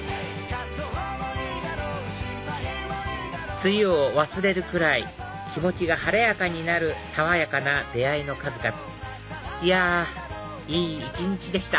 梅雨を忘れるくらい気持ちが晴れやかになる爽やかな出会いの数々いやいい一日でした！